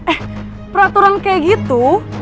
eh peraturan kayak gitu